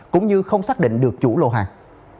cũng như không xác định được chủ lô hàng